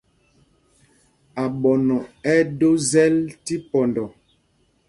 Aɓɔnɔ ɛ́ ɛ́ do zɛ́l tí pɔndɔ.